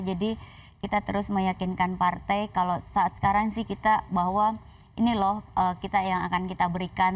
jadi kita terus meyakinkan partai kalau saat sekarang sih kita bahwa ini loh kita yang akan kita berikan